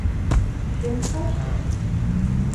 შენ ხარ შენ